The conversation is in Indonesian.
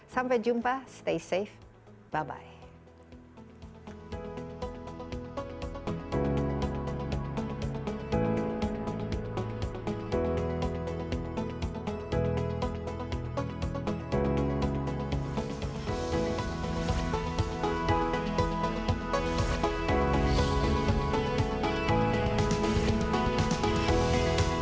sampai jumpa stay safe bye bye